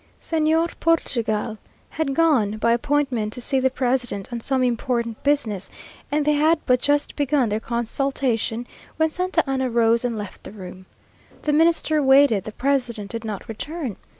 Señor Portugal had gone, by appointment, to see the president on some important business, and they had but just begun their consultation, when Santa Anna rose and left the room. The Minister waited the president did not return.